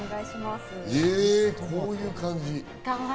へ、こういう感じ。